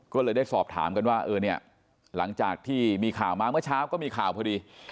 ก็เลยได้สอบถามกันว่าเออเนี่ยหลังจากที่มีข่าวมาเมื่อเช้าก็มีข่าวพอดี